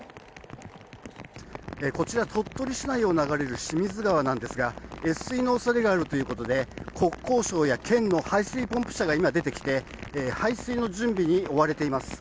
こちら鳥取市内を流れる清水川なんですが越水の恐れがあるということで国交省や県の排水ポンプ車が今、出てきて排水の準備に追われています。